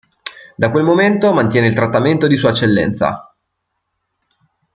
Da quel momento mantiene il trattamento di sua eccellenza.